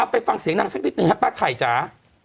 ไปฟังเสียงนางสักนิดหนึ่งครับป้าไข่จ๋า